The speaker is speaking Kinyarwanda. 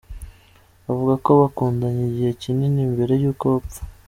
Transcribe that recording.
Avuga ko bakundanye igihe kinini mbere y’uko apfa.